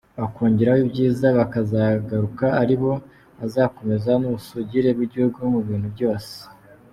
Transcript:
Bakongeraho ibyiza bakazagaruka aribo bazakomeza n’ubusugire bw’igihugu mu bintu byose.